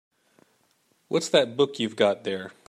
What's that book you've got there?